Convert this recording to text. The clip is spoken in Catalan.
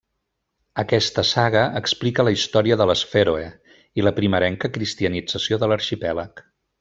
Aquesta saga explica la història de les Fèroe i la primerenca cristianització de l'arxipèlag.